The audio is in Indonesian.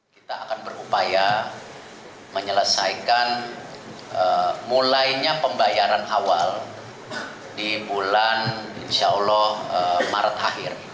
kita akan berupaya menyelesaikan mulainya pembayaran awal di bulan insya allah maret akhir